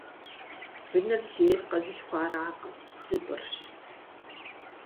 Быныр зейр къэзылъхуаракъым - зыпӏырщ.